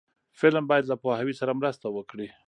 فلم باید له پوهاوي سره مرسته وکړي